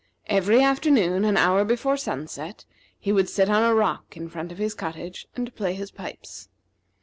Every afternoon, an hour before sunset, he would sit on a rock in front of his cottage and play on his pipes.